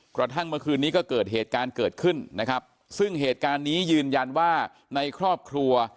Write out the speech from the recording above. กระทั่งเมื่อคืนนี้ก็เกิดเหตุการณ์เกิดขึ้นนะครับซึ่งเหตุการณ์นี้ยืนยันว่าในครอบครัว